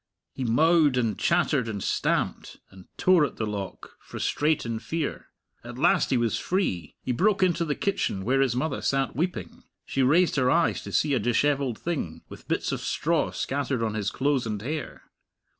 He mowed and chattered and stamped, and tore at the lock, frustrate in fear. At last he was free! He broke into the kitchen, where his mother sat weeping. She raised her eyes to see a dishevelled thing, with bits of straw scattered on his clothes and hair.